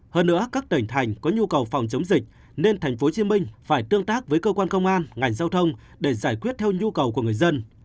hơn nữa các tỉnh thành có nhu cầu phòng chống dịch nên tp hcm phải tương tác với cơ quan công an ngành giao thông để giải quyết theo nhu cầu của người dân